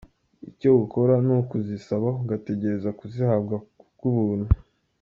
Icyo ukora ni ukuzisaba ugategereza kuzihabwa ku bw’ubuntu.